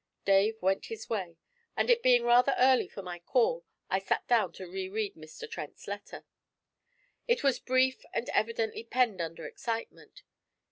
Dave went his way, and it being rather early for my call, I sat down to re read Mr. Trent's letter. It was brief and evidently penned under excitement.